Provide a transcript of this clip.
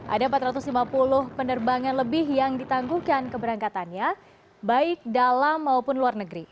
ada empat ratus lima puluh penerbangan lebih yang ditangguhkan keberangkatannya baik dalam maupun luar negeri